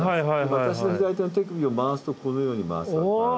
私の左手の手首を回すとこのように回る。